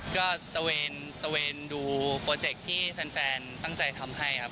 ก็ตะเวนดูโปรเจคที่แฟนตั้งใจทำให้ครับ